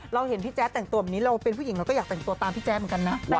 เราเห็นพี่แจ๊ดแต่งตัวแบบนี้เราเป็นผู้หญิงเราก็อยากแต่งตัวตามพี่แจ๊ดเหมือนกันนะ